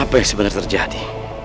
apa yang sebenarnya terjadi